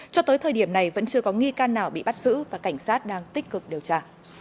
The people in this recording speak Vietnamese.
cho tới thời điểm này vẫn chưa có nghi can nào bị bắt giữ và cảnh sát đang tích cực điều tra